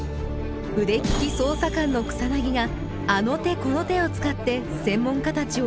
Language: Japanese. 腕利き捜査官の草があの手この手を使って専門家たちを追い詰めていきます